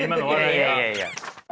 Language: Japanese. いやいやいや。